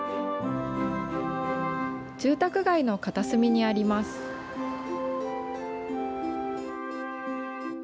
住宅街の片隅にあります。